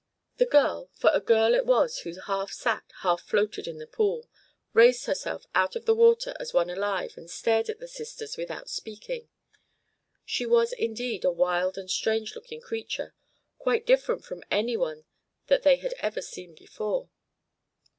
The girl, for a girl it was who half sat, half floated in the pool, raised herself out of the water as one alive, and stared at the sisters without speaking. She was indeed a wild and strange looking creature, quite different from any one that they had ever seen before.